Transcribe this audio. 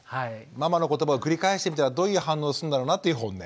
ママの言葉を繰り返してみたらどういう反応するんだろうなっていうホンネ。